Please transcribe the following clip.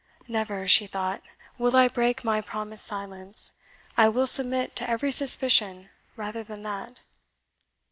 "Never," she thought, "will I break my promised silence. I will submit to every suspicion rather than that."